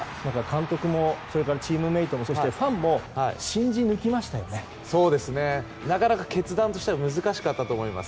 監督もチームメートも、ファンもなかなか決断としては難しかったと思います。